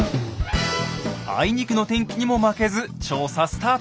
あいにくの天気にも負けず調査スタート！